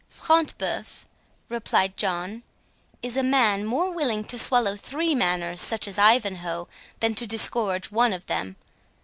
"Front de Bœuf," replied John, "is a man more willing to swallow three manors such as Ivanhoe, than to disgorge one of them.